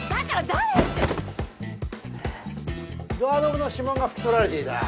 ドアノブの指紋が拭き取られていた。